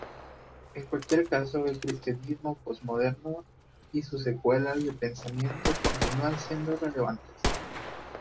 En cualquier caso, el cristianismo postmoderno y sus escuelas de pensamiento continúan siendo relevantes.